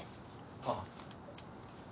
あっ。